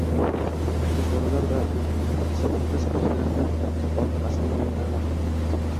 Yosh bolalar esa o'ttiz-qirq grammdan ortiq asal yemaganlari ma’qul.